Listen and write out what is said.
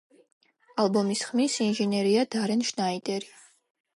ალბომის ხმის ინჟინერია დარენ შნაიდერი.